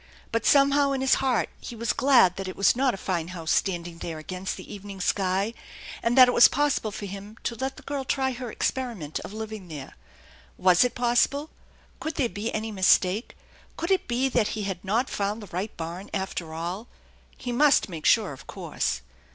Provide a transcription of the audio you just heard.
But somehow in his heart he was glad that it was not a fine house standing there against the evening sky, and that it was possible for him to let the girl try her experiment of living there. Was it possible ? Could there be any mistake ? Could it be that he had not found the right barn, after all? He must make sure, of course.